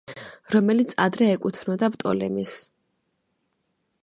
რომელიც ადრე ეკუთვნოდა პტოლემეს.